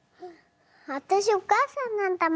私お母さんなんだもの。